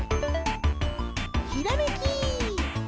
ひらめき！